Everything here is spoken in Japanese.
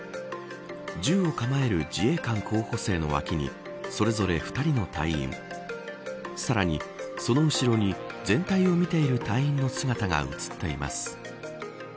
銃を構える自衛官候補生の脇にそれぞれ２人の隊員さらに、その後ろに全体を見ている隊員の姿が写っています。